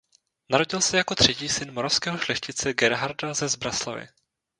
Narodil se jako třetí syn moravského šlechtice Gerharda ze Zbraslavi.